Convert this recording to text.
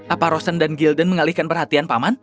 apa rosen dan gildan mengalihkan perhatian paman